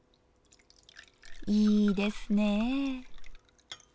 いいですねぇ。